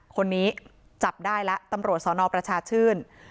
คนนี้จับได้แล้วตำรวจสนประชาชื่น